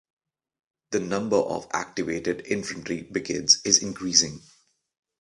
The number of activated infantry brigades is increasing.